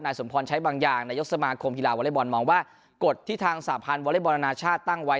สมพรใช้บางอย่างนายกสมาคมกีฬาวอเล็กบอลมองว่ากฎที่ทางสาพันธ์วอเล็กบอลอนาชาติตั้งไว้